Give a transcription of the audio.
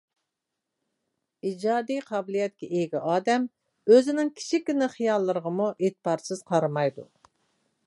ئىجادىي قابىلىيەتكە ئىگە ئادەم ئۆزىنىڭ كىچىككىنە خىياللىرىغىمۇ ئېتىبارسىز قارىمايدۇ.